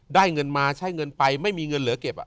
ได้เงินมาใช้เงินไปไม่มีเงินเหลือเก็บ